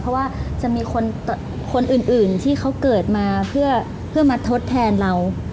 เพราะว่าจะมีคนอื่นที่เขาเกิดมาเพื่อมาทดแทนเรา